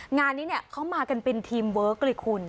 งานนี้เขามากันเป็นทีมเวิร์คเลยคุณ